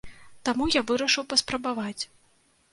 Таму я вырашыў паспрабаваць.